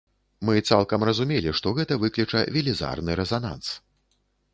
Мы цалкам разумелі, што гэта выкліча велізарны рэзананс.